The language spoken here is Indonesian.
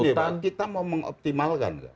karena begini kita mau mengoptimalkan